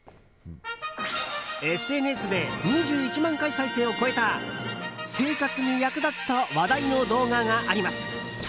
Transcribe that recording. ＳＮＳで２１万回再生を超えた生活に役立つと話題の動画があります。